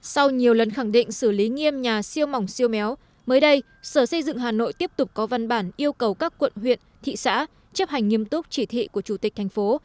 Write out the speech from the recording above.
sau nhiều lần khẳng định xử lý nghiêm nhà siêu mỏng siêu méo mới đây sở xây dựng hà nội tiếp tục có văn bản yêu cầu các quận huyện thị xã chấp hành nghiêm túc chỉ thị của chủ tịch thành phố